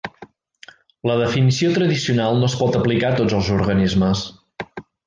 La definició tradicional no es pot aplicar a tots els organismes.